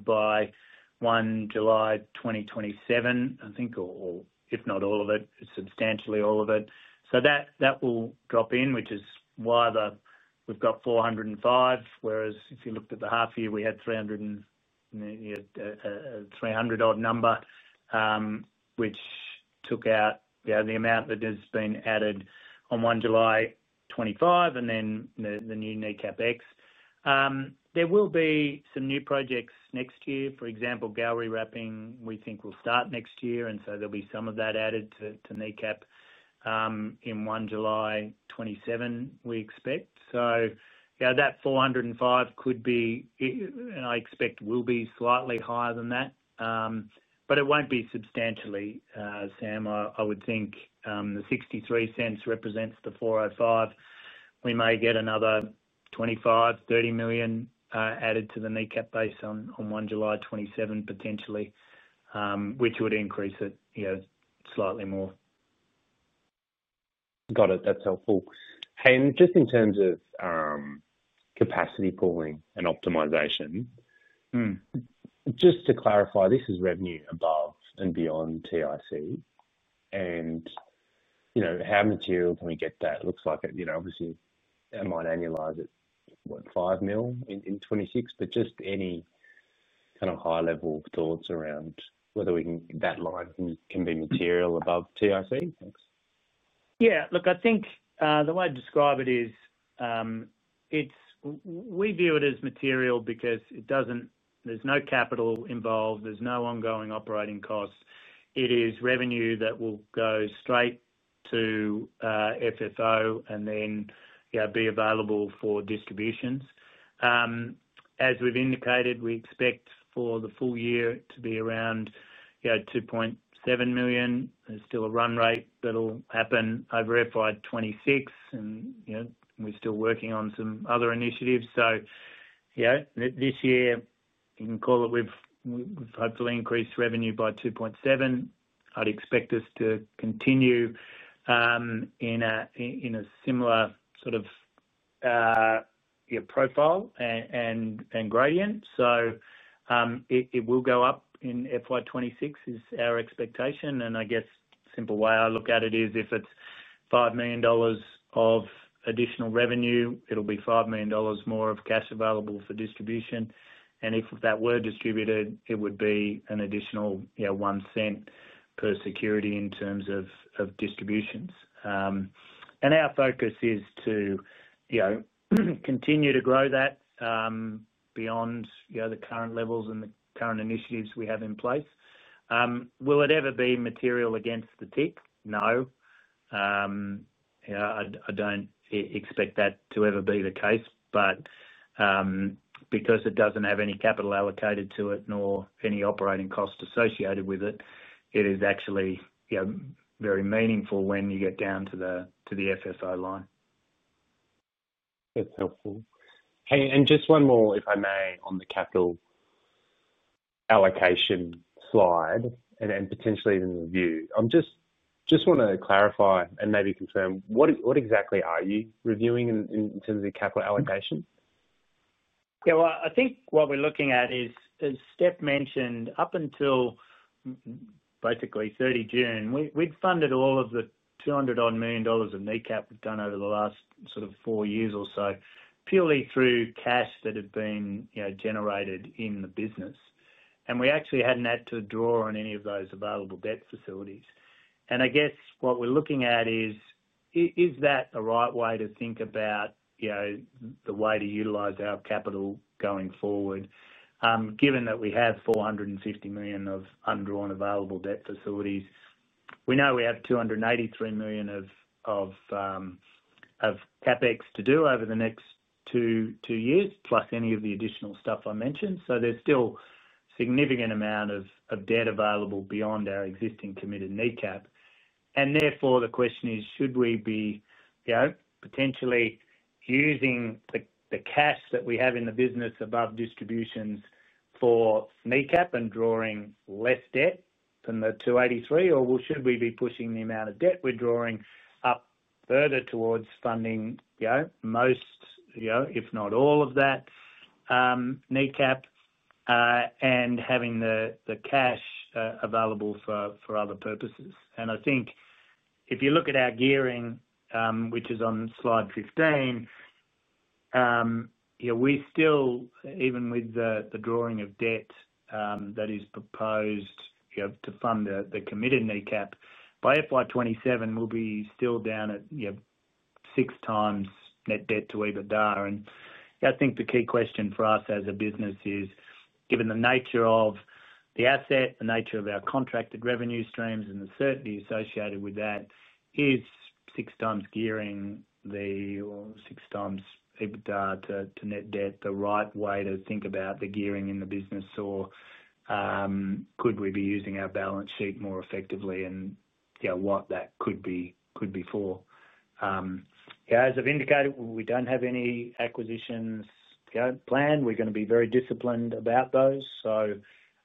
by 1 July 2027, I think, or if not all of it, substantially all of it. That will drop in, which is why we've got $405 million, whereas if you looked at the half year, we had a $300 million odd number, which took out the amount that has been added on 1 July 2025, and then the new NECAP X. There will be some new projects next year. For example, gallery wrapping, we think will start next year, and there'll be some of that added to NECAP in 1 July 2027, we expect. That $405 million could be, and I expect will be, slightly higher than that. It won't be substantially, Sam. I would think the $0.63 represents the $405 million. We may get another $25 million, $30 million added to the NECAP base on 1 July 2027, potentially, which would increase it slightly more. Got it. That's helpful. Just in terms of capacity pooling and optimisation, just to clarify, this is revenue above and beyond the TIC. How material can we get that? It looks like, you know, obviously, I might annualize it, what, $5 million in 2026, but just any kind of high-level thoughts around whether that line can be material above the TIC? Yeah, look, I think the way I describe it is we view it as material because it doesn't, there's no capital involved, there's no ongoing operating costs. It is revenue that will go straight to FFO and then be available for distributions. As we've indicated, we expect for the full year to be around $2.7 million. There's still a run rate that'll happen over FY2026, and we're still working on some other initiatives. This year, you can call it we've hopefully increased revenue by $2.7 million. I'd expect us to continue in a similar sort of profile and gradient. It will go up in FY2026, is our expectation. I guess the simple way I look at it is if it's $5 million of additional revenue, it'll be $5 million more of cash available for distribution. If that were distributed, it would be an additional $0.01 per security in terms of distributions. Our focus is to continue to grow that beyond the current levels and the current initiatives we have in place. Will it ever be material against the TIC? No, I don't expect that to ever be the case. Because it doesn't have any capital allocated to it, nor any operating costs associated with it, it is actually very meaningful when you get down to the FFO line. That's helpful. Just one more, if I may, on the capital allocation slide and potentially even review. I just want to clarify and maybe confirm what exactly are you reviewing in terms of capital allocation? I think what we're looking at is, as Steph mentioned, up until basically 30 June, we'd funded all of the $200 million-odd of NECAP we've done over the last sort of four years or so purely through cash that had been generated in the business. We actually hadn't had to draw on any of those available debt facilities. I guess what we're looking at is, is that the right way to think about the way to utilize our capital going forward? Given that we have $450 million of undrawn available debt facilities, we know we have $283 million of CapEx to do over the next two years, plus any of the additional stuff I mentioned. There's still a significant amount of debt available beyond our existing committed NECAP. Therefore, the question is, should we be potentially using the cash that we have in the business above distributions for NECAP and drawing less debt than the $283 million? Or should we be pushing the amount of debt we're drawing up further towards funding, you know, most, you know, if not all of that NECAP, and having the cash available for other purposes? I think if you look at our gearing, which is on slide 15, we still, even with the drawing of debt that is proposed to fund the committed NECAP, by FY2027, we'll be still down at 6x net debt to EBITDA. I think the key question for us as a business is, given the nature of the asset, the nature of our contracted revenue streams, and the certainty associated with that, is 6x gearing or 6x EBITDA to net debt the right way to think about the gearing in the business? Could we be using our balance sheet more effectively? What that could be for? As I've indicated, we don't have any acquisitions planned. We're going to be very disciplined about those.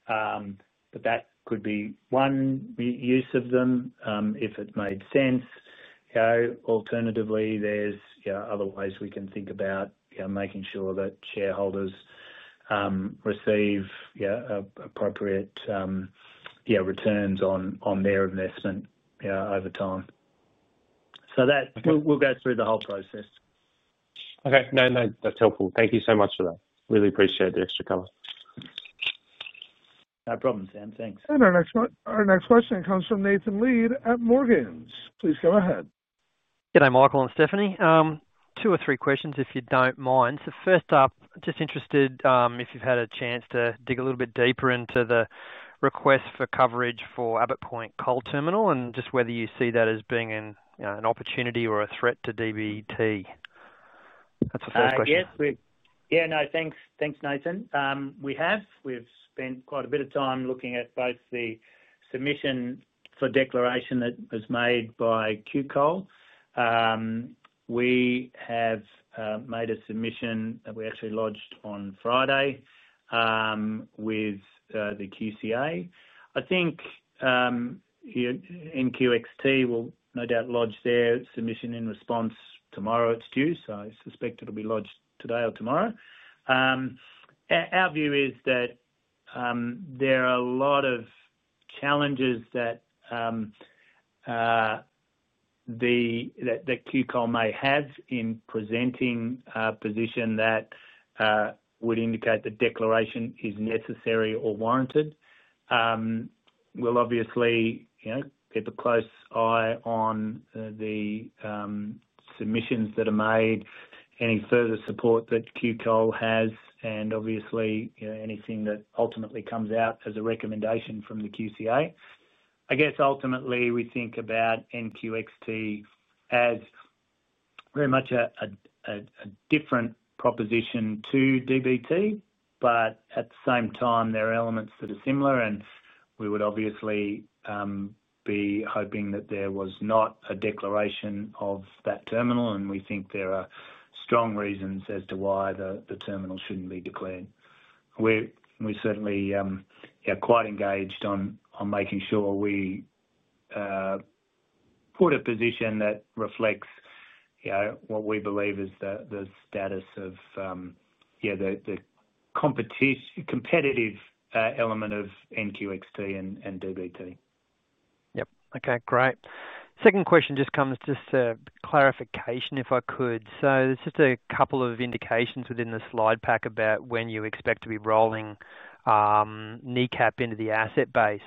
That could be one use of them if it made sense. Alternatively, there's other ways we can think about making sure that shareholders receive appropriate returns on their investment over time. We'll go through the whole process. No, that's helpful. Thank you so much for that. Really appreciate the extra cover. No problem, Sam. Thanks. Our next question comes from Nathan Lead at Morgans. Please go ahead. Good day, Michael and Stephanie. Two or three questions, if you don't mind. First up, just interested if you've had a chance to dig a little bit deeper into the request for coverage for Abbot Point Coal Terminal and just whether you see that as being an opportunity or a threat to DBT. That's the first question. Yeah, no, thanks, Nathan. We've spent quite a bit of time looking at both the submission for declaration that was made by QCoal. We have made a submission that we actually lodged on Friday with the QCA. I think NQXT will no doubt lodge their submission in response tomorrow. It's due, so I suspect it'll be lodged today or tomorrow. Our view is that there are a lot of challenges that QCoal may have in presenting a position that would indicate that declaration is necessary or warranted. We'll obviously keep a close eye on the submissions that are made, any further support that QCoal has, and obviously anything that ultimately comes out as a recommendation from the QCA. I guess ultimately we think about NQXT as very much a different proposition to DBT, but at the same time, there are elements that are similar, and we would obviously be hoping that there was not a declaration of that terminal, and we think there are strong reasons as to why the terminal shouldn't be declared. We're certainly quite engaged on making sure we put a position that reflects what we believe is the status of the competitive element of NQXT and DBT. Okay, great. Second question just comes just for clarification, if I could. There's just a couple of indications within the slide pack about when you expect to be rolling NECAP into the asset base.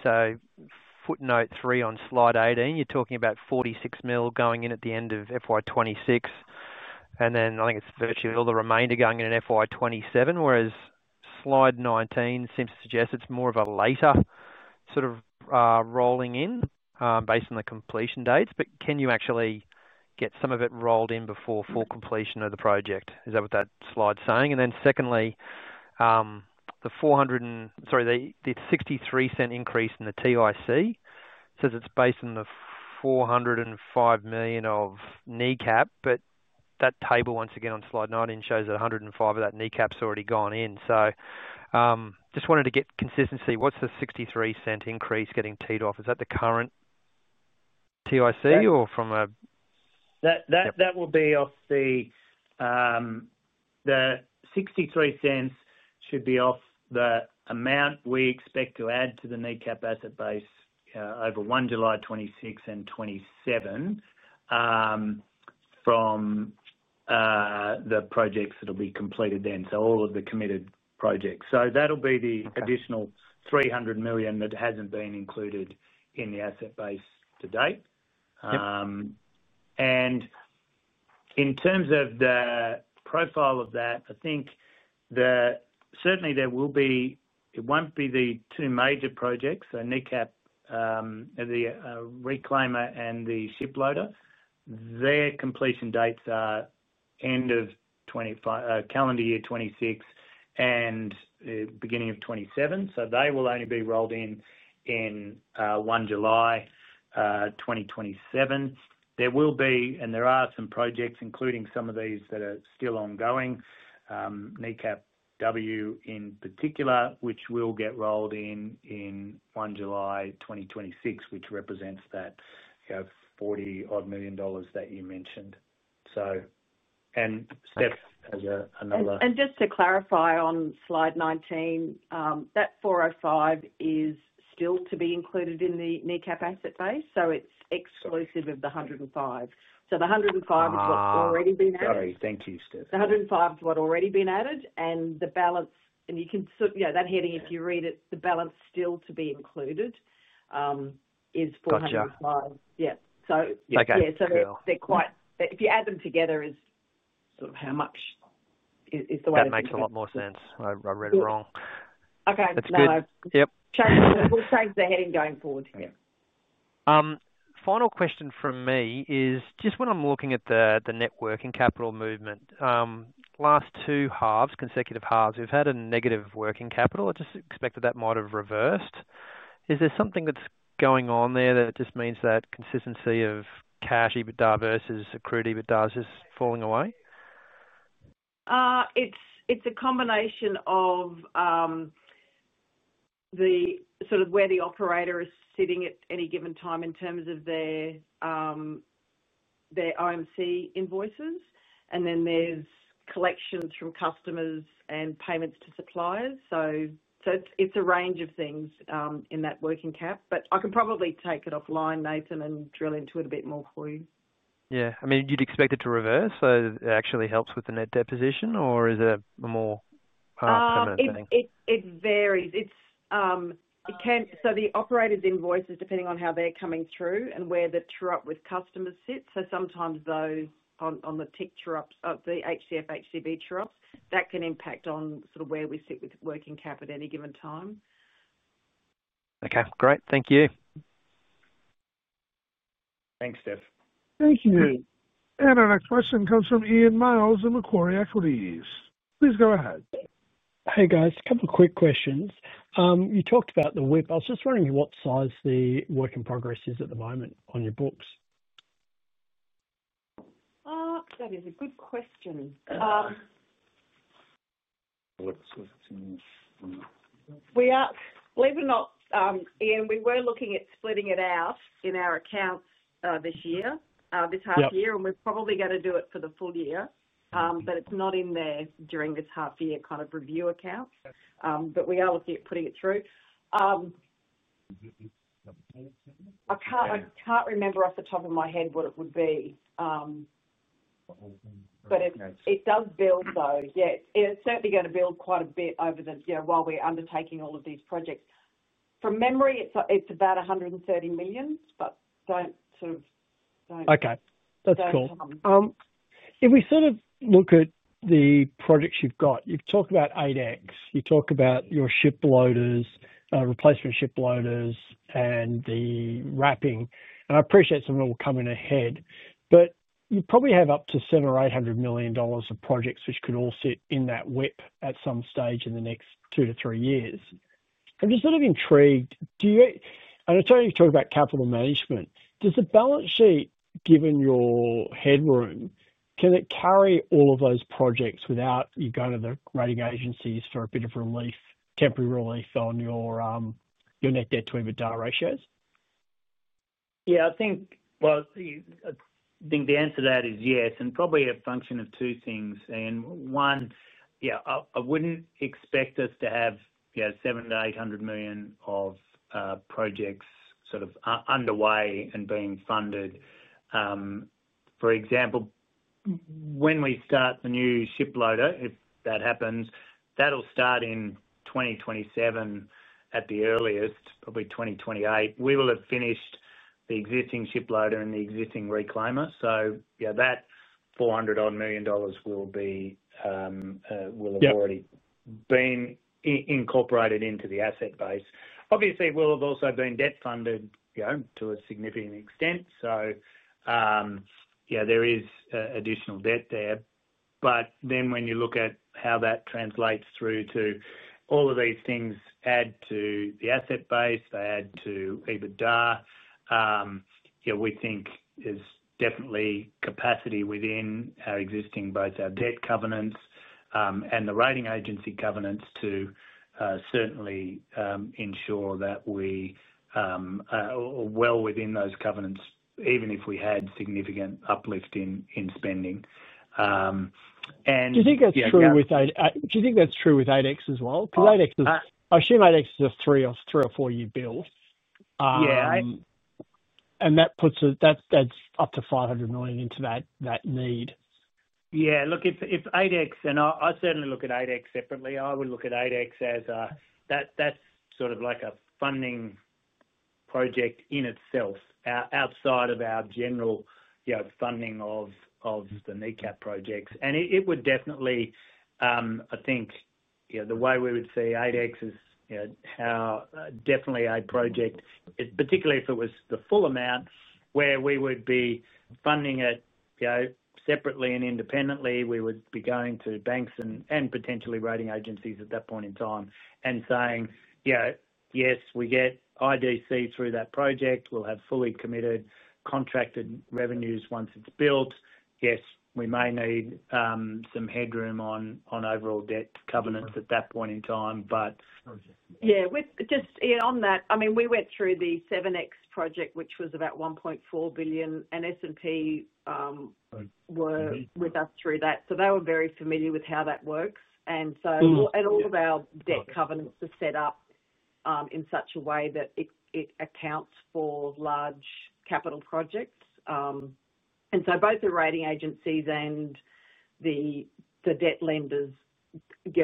Footnote 3 on slide 18, you're talking about $46 million going in at the end of FY2026, and then I think it's virtually all the remainder going in in FY2027, whereas slide 19 seems to suggest it's more of a later sort of rolling in based on the completion dates. Can you actually get some of it rolled in before full completion of the project? Is that what that slide's saying? Secondly, the $0.63 increase in the TIC says it's based on the $405 million of NECAP, but that table once again on slide 19 shows that $105 million of that NECAP's already gone in. Just wanted to get consistency. What's the $0.63 increase getting teed off? Is that the current TIC or from a? That will be off the $0.63, should be off the amount we expect to add to the NECAP asset base over 1 July 2026 and 2027 from the projects that'll be completed then. All of the committed projects, that'll be the additional $300 million that hasn't been included in the asset base to date. In terms of the profile of that, I think certainly there will be, it won't be the two major projects, so NECAP, the reclaimer, and the ship loader. Their completion dates are end of calendar year 2026 and the beginning of 2027. They will only be rolled in on 1 July 2027. There are some projects, including some of these that are still ongoing, NECAP W in particular, which will get rolled in on 1 July 2026, which represents that $40-odd million that you mentioned. Steph has another... To clarify on slide 19, that $405 million is still to be included in the NECAP asset base. It's exclusive of the $105 million. The $105 million is what's already been added. Sorry, thank you, Stephanie. The $105 million is what's already been added. The balance, if you read it, the balance still to be included is $405 million. If you add them together, that is sort of how much is the way that... That makes a lot more sense. I read it wrong. Okay, we'll change the heading going forward. Yeah. Final question from me is just when I'm looking at the net working capital movement, last two halves, consecutive halves, we've had a negative working capital. I just expected that might have reversed. Is there something that's going on there that just means that consistency of cash EBITDA versus accrued EBITDA is falling away? It's a combination of the sort of where the operator is sitting at any given time in terms of their OMC invoices. There's collections from customers and payments to suppliers. It's a range of things in that working cap. I can probably take it offline, Nathan, and drill into it a bit more for you. Yeah, I mean, you'd expect it to reverse. It actually helps with the net deposition, or is it a more permanent thing? It varies. It can, so the operator's invoices, depending on how they're coming through and where the truck with customers sit. Sometimes though on the TIC trucks, the HCF/HCB trucks, that can impact on sort of where we sit with working cap at any given time. Okay, great. Thank you. Thanks, Steph. Thank you. Our next question comes from Ian Miles of Macquarie Equities. Please go ahead. Hey guys, a couple of quick questions. You talked about the WIP. I was just wondering what size the work in progress is at the moment on your books. That is a good question. We are leaving it, Ian, we were looking at splitting it out in our accounts this year, this half year, and we're probably going to do it for the full year. It is not in there during this half year kind of review accounts. We are looking at putting it through. I can't remember off the top of my head what it would be. It does build though. Yeah, it's certainly going to build quite a bit over the, while we're undertaking all of these projects. From memory, it's about $130 million. Don't sort of... Okay, that's cool. If we sort of look at the projects you've got, you've talked about the ADEX project, you've talked about your ship loaders, replacement ship loaders, and the wrapping. I appreciate some of them will come in ahead. You probably have up to $700 million or $800 million of projects which could all sit in that WIP at some stage in the next two to three years. I'm just sort of intrigued. Do you, and I'm not only talking about capital management, does the balance sheet, given your headroom, can it carry all of those projects without you going to the rating agencies for a bit of relief, temporary relief on your net debt to EBITDA ratios? I think the answer to that is yes, and probably a function of two things. I wouldn't expect us to have $700 million-$800 million of projects underway and being funded. For example, when we start the new ship loader, if that happens, that'll start in 2027 at the earliest, probably 2028. We will have finished the existing ship loader and the existing reclaimer. That $400-odd million will have already been incorporated into the asset base. Obviously, we'll have also been debt funded to a significant extent. There is additional debt there. When you look at how that translates through to all of these things, they add to the asset base, they add to EBITDA. We think there's definitely capacity within our existing both our debt covenants and the rating agency covenants to certainly ensure that we are well within those covenants, even if we had significant uplift in spending. Do you think that's true with ADEX as well? Because I assume ADEX is a three or four-year bill. Yeah. That puts up to $500 million into that need. Yeah, look, if ADEX, and I certainly look at ADEX separately, I would look at ADEX as a, that's sort of like a funding project in itself outside of our general funding of the NECAP projects. It would definitely, I think, the way we would see ADEX is how definitely a project, particularly if it was the full amount, where we would be funding it separately and independently. We would be going to banks and potentially rating agencies at that point in time and saying, yeah, yes, we get IDC through that project, we'll have fully committed contracted revenues once it's built. Yes, we may need some headroom on overall debt covenants at that point in time, but... Yeah, just on that, I mean, we went through the 7X Project, which was about $1.4 billion, and S&P were with us through that. They were very familiar with how that works. All of our debt covenants are set up in such a way that it accounts for large capital projects. Both the rating agencies and the debt lenders,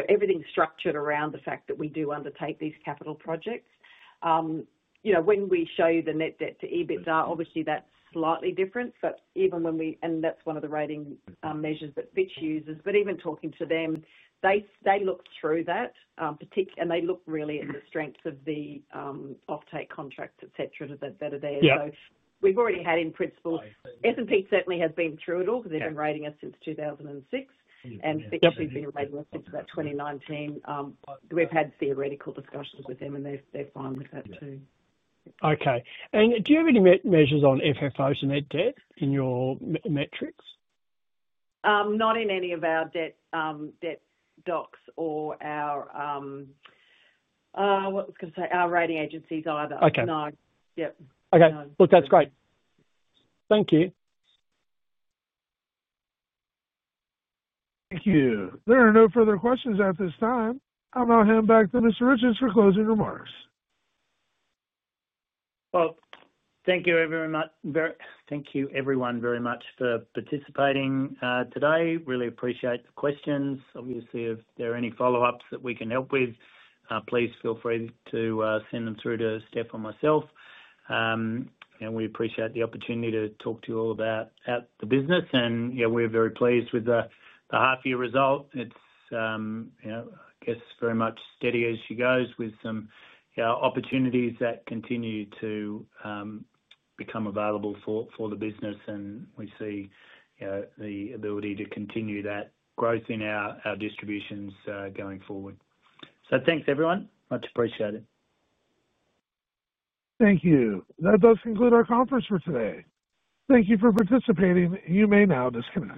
everything's structured around the fact that we do undertake these capital projects. You know, when we show you the net debt to EBITDA, obviously that. Slightly different. Even when we, and that's one of the rating measures that Fitch uses, even talking to them, they look through that, particularly, and they look really at the strengths of the offtake contracts, etc., that are there. We've already had, in principle, S&P certainly has been through it all because they've been rating us since 2006. Fitch has been rating us since about 2019. We've had theoretical discussions with them, and they're fine with that too. Okay. Do you have any measures on FFOs and their debt in your metrics? Not in any of our debt docs or our rating agencies either. Okay. No. Okay, look, that's great. Thank you. Thank you. There are no further questions at this time. I'll now hand back to Mr. Riches for closing remarks. Thank you everyone very much for participating today. Really appreciate the questions. Obviously, if there are any follow-ups that we can help with, please feel free to send them through to Steph or myself. We appreciate the opportunity to talk to you all about the business. We're very pleased with the half-year result. It's, you know, I guess, very much steady as she goes with some opportunities that continue to become available for the business. We see the ability to continue that growth in our distributions going forward. Thanks, everyone. Much appreciated. Thank you. That does conclude our conference for today. Thank you for participating. You may now discontinue.